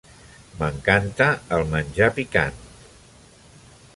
M'encanta el menjar picant!